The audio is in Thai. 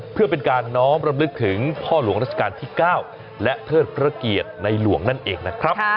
เพื่อเป็นการน้อมรำลึกถึงพ่อหลวงราชการที่๙และเทิดพระเกียรติในหลวงนั่นเองนะครับ